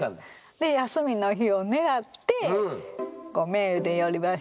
で休みの日をねらってメールで呼び出して。